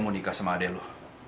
mau nikah sama adek lo